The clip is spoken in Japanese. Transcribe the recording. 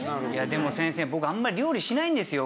でも先生僕あんまり料理しないんですよ